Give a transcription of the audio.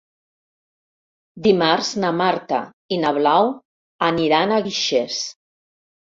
Dimarts na Marta i na Blau aniran a Guixers.